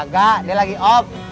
gak dia lagi off